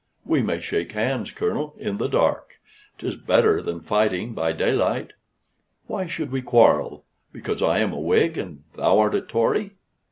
We may shake hands, Colonel, in the dark, 'tis better than fighting by daylight. Why should we quarrel, because I am a Whig and thou art a Tory?